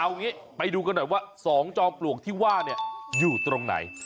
เอางี้ไปดูกันหน่อยว่า๒จอมปลวกที่ว่าเนี่ยอยู่ตรงไหน